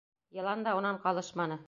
Йылан да унан ҡалышманы.